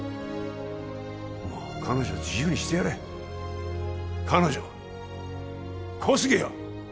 もう彼女を自由にしてやれ彼女は小杉は！